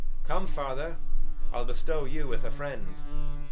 Come, father, I'll bestow you with a friend.